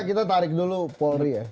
kita tarik dulu polri ya